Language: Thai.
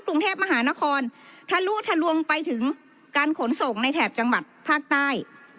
กรุงเทพมหานครทะลุทะลวงไปถึงการขนส่งในแถบจังหวัดภาคใต้